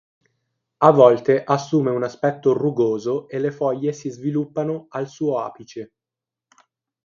A volte assume un aspetto rugoso e le foglie si sviluppano al suo apice.